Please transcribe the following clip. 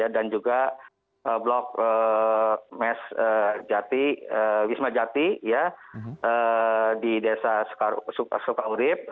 dan juga blok mes jati wisma jati ya di desa sukaurim